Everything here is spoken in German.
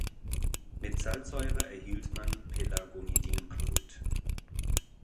Mit Salzsäure erhielt man Pelargonidinchlorid.